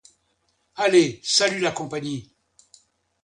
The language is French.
Allez, salut la compagnie !